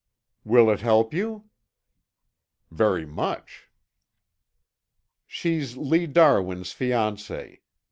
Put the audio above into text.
"Will it help you?" "Very much." "She's Lee Darwin's fiancée.